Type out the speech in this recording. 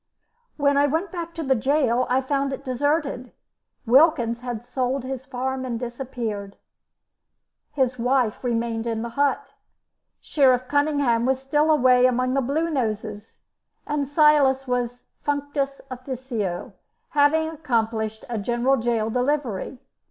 When I went back to gaol I found it deserted. Wilkins had sold his farm and disappeared. His wife remained in the hut. Sheriff Cunningham was still away among the Bluenoses, and Silas was 'functus officio', having accomplished a general gaol delivery.